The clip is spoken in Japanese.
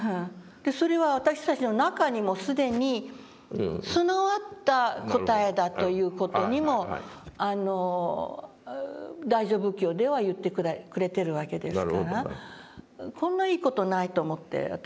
それは私たちの中にも既に備わった答えだという事にも大乗仏教では言ってくれてるわけですからこんないい事ないと思って私。